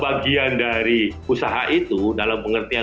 bagian dari usaha itu dalam pengertian